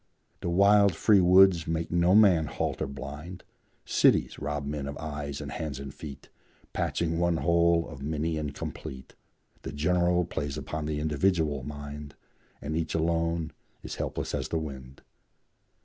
The wild, free woods make no man halt or blind; Cities rob men of eyes and hands and feet, Patching one whole of many incomplete; The general preys upon the individual mind, And each alone is helpless as the wind.